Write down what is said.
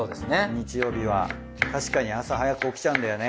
日曜日は確かに朝早く起きちゃうんだよね。